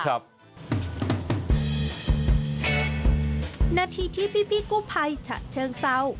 หน้าที่ที่พี่กูภัยฉะเชิงเศร้า